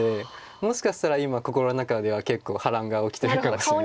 もしかしたら今心の中では結構波乱が起きてるかもしれないです。